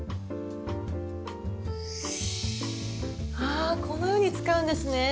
あこのように使うんですね！